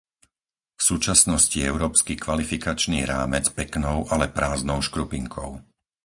V súčasnosti je európsky kvalifikačný rámec peknou, ale prázdnou škrupinkou.